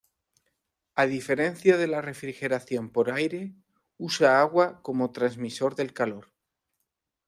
A diferencia de la refrigeración por aire, usa agua como transmisor del calor.